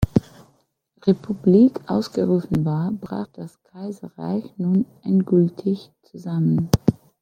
Republik ausgerufen war, brach das Kaiserreich nun endgültig zusammen.